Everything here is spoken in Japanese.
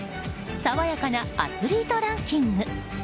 それが爽やかなアスリートランキング。